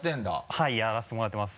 はいやらせてもらってます。